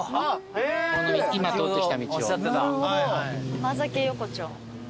甘酒横丁。